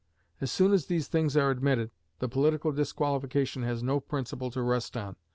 As soon as these things are admitted, the political disqualification has no principle to rest on.